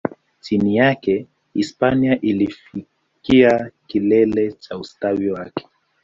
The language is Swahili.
Chini yake, Hispania ilifikia kilele cha ustawi wake.